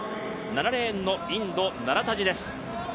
７レーンのインド、ナラタジです。